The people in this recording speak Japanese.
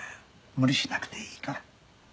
無理しなくていいから。